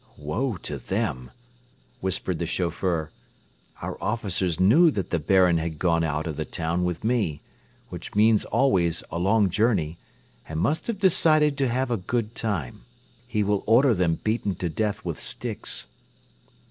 "Woe to them!" whispered the chauffeur. "Our officers knew that the Baron had gone out of the town with me, which means always a long journey, and must have decided to have a good time. He will order them beaten to death with sticks."